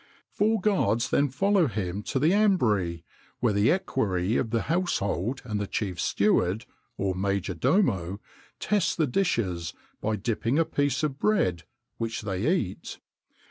Four guards then follow him to the ambry, where the equerry of the household and the chief steward, or major domo, test the dishes, by dipping a piece of bread, which they eat.